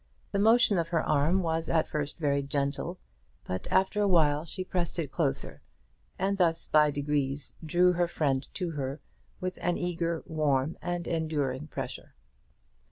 The motion of her arm was at first very gentle, but after a while she pressed it closer, and thus by degrees drew her friend to her with an eager, warm, and enduring pressure.